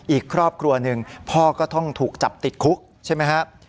อีกครอบครัวหนึ่งพ่อก็ต้องถูกจับติดคุกใช่ไหมครับ